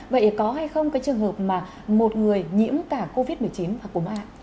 vậy có hay không cái trường hợp mà một người nhiễm cả covid một mươi chín và cúm a